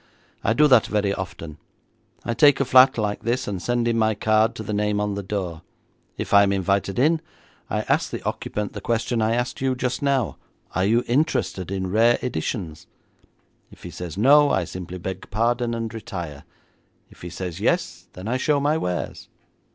I do that very often. I take a flat like this, and send in my card to the name on the door. If I am invited in, I ask the occupant the question I asked you just now: "Are you interested in rare editions?" If he says no, I simply beg pardon and retire. If he says yes, then I show my wares.'